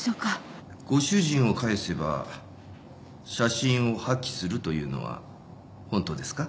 ご主人を返せば写真を破棄するというのは本当ですか？